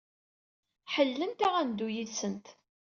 Ḥellelent-aɣ ad neddu yid-sent.